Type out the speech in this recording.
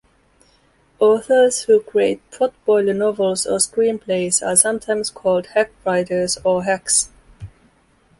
Authors who create potboiler novels or screenplays are sometimes called hack writers or hacks.